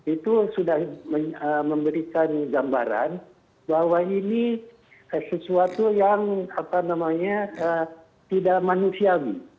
itu sudah memberikan gambaran bahwa ini sesuatu yang tidak manusiawi